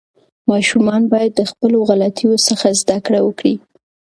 ماشومان باید د خپلو غلطیو څخه زده کړه وکړي.